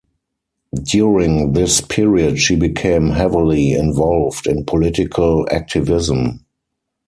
During this period she became heavily involved in political activism.